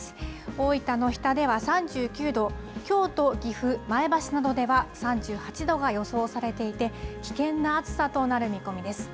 大分の日田では３９度、京都、岐阜、前橋などでは３８度が予想されていて、危険な暑さとなる見込みです。